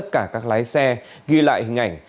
các lái xe ghi lại hình ảnh